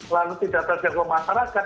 lalu tidak terjangkau masyarakat